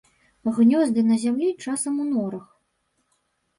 Гнёзды на зямлі, часам у норах.